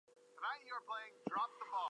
We believe.